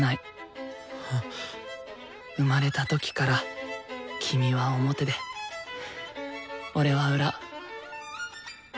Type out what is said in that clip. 生まれた時から君は「表」で俺は「裏」。